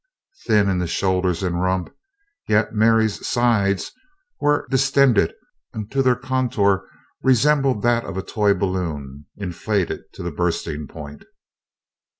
Thin in the shoulders and rump, yet "Mary's" sides were distended until their contour resembled that of a toy balloon inflated to the bursting point.